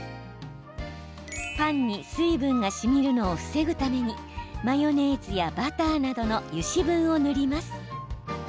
パンに水分がしみるのを防ぐためにマヨネーズやバターなどの油脂分を塗ります。